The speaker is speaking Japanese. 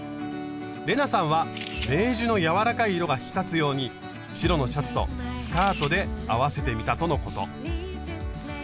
玲奈さんはベージュの柔らかい色が引き立つように白のシャツとスカートで合わせてみたとのこと。